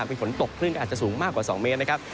มีฝนตกคลื่นก็อาจจะสูงมากกว่า๒เมตรนะครับ